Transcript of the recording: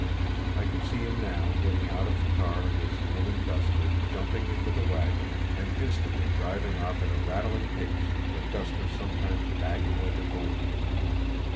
I can see him now getting out of the car in his linen duster, jumping into the wagon, and instantly driving off at a rattling pace, the duster sometimes bagging like a balloon.